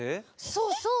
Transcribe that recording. そうそう。